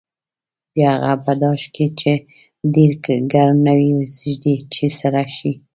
بیا هغه په داش کې چې ډېر ګرم نه وي ږدي چې سره شي.